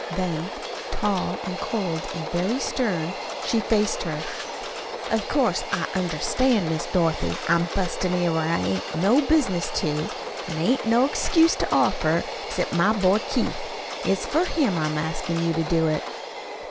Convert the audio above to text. Then, tall, and cold, and very stern, she faced her. "Of course, I understand, Miss Dorothy, I'm bustlin' in where I hain't no business to. An' I hain't no excuse to offer except my boy, Keith. It's for him I'm askin' you to do it."